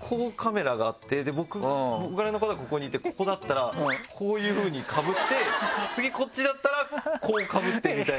こうカメラがあってボーカルの方がここにいてここだったらこういうふうにかぶって次こっちだったらこうかぶってみたいな。